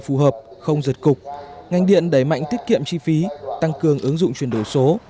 phù hợp không giật cục ngành điện đẩy mạnh tiết kiệm chi phí tăng cường ứng dụng chuyển đổi số